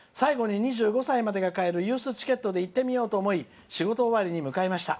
２５歳まで買えるユースチケットで行ってみようと思い仕事終わりに行ってみました。